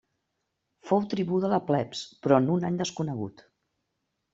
Fou tribú de la plebs, però en un any desconegut.